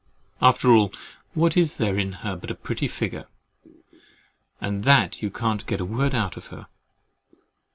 After all, what is there in her but a pretty figure, and that you can't get a word out of her?